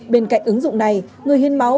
bên cạnh ứng dụng này người hiên máu